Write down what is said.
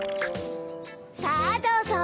さぁどうぞ！